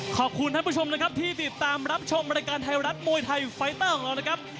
ขอบคุณท่านผู้ชมนะครับที่ติดตามรับชมรายการไทยรัฐมวยไทยไฟเตอร์ของเรานะครับ